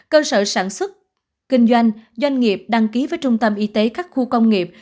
cơ sở sản xuất kinh doanh doanh nghiệp đăng ký với trung tâm y tế các khu công nghiệp